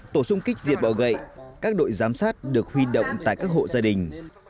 tổ sung kích diệt bỏ gậy các đội giám sát được huy động tại các hộ gia đình